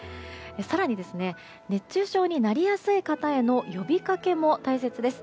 更に、熱中症になりやすい方への呼びかけも大切です。